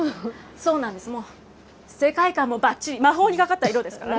そうなんです、もう世界観もばっちり、魔法にかかった色ですからね。